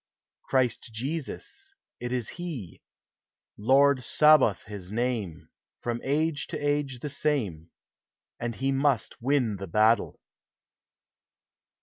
Christ Jesus, it is he, Lord Sabaoth his name, From age to age the same, And he must win the battle.